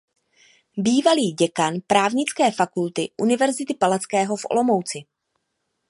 Bývalý děkan Právnické fakulty Univerzity Palackého v Olomouci.